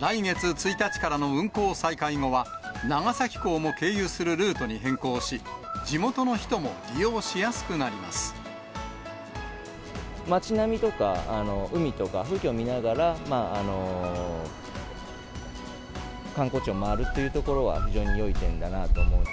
来月１日からの運行再開後は、長崎港も経由するルートに変更し、町並みとか、海とか、風景を見ながら、観光地を回るというところは非常によい点だなと思う。